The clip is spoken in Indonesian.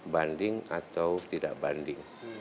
banding atau tidak banding